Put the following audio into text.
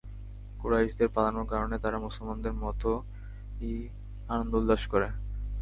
কুরাইশদের পালানোর কারণে তারা মুসলমানদের মতই আনন্দ-উল্লাস করে।